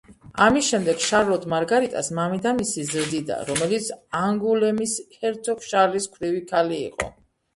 ამის შემდეგ შარლოტ მარგარიტას მამიდამისი ზრდიდა, რომელიც ანგულემის ჰერცოგ შარლის ქვრივი ქალი იყო.